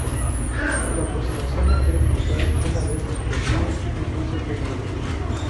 La aproximación requiere cruzar una vez el río, un cruce que es peligroso.